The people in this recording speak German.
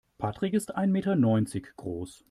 Patrick ist ein Meter neunzig groß.